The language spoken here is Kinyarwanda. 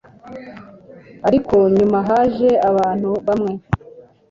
ariko nyuma haje abantu bamwe